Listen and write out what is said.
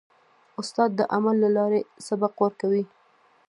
استاد د عمل له لارې سبق ورکوي.